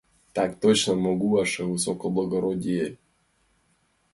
— Так точно, могу, ваше высокоблагородие!